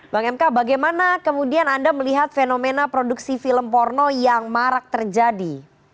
bang mk bagaimana kemudian anda melihat fenomena produksi film porno yang marak terjadi